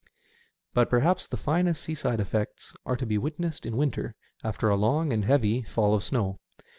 But perhaps the finest seaside effects are to be witnessed in winter, after a long and heavy fall of snow.